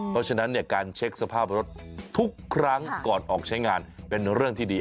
เพราะฉะนั้นการเช็คสภาพรถทุกครั้งก่อนออกใช้งานเป็นเรื่องที่ดี